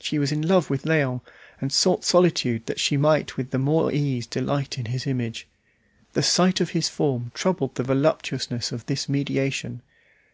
She was in love with Léon, and sought solitude that she might with the more ease delight in his image. The sight of his form troubled the voluptuousness of this mediation.